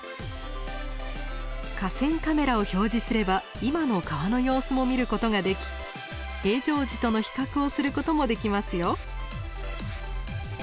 河川カメラを表示すれば今の川の様子も見ることができ平常時との比較をすることもできますよ。